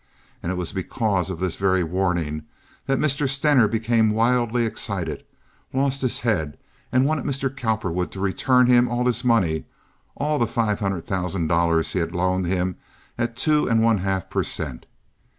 And it was because of this very warning that Mr. Stener became wildly excited, lost his head, and wanted Mr. Cowperwood to return him all his money, all the five hundred thousand dollars he had loaned him at two and one half per cent.